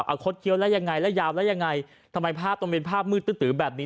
เอาคดเคี้ยวแล้วยังไงแล้วยาวแล้วยังไงทำไมภาพตรงเป็นภาพมืดตื้อตือแบบนี้